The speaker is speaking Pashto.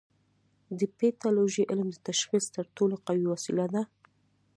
د پیتالوژي علم د تشخیص تر ټولو قوي وسیله ده.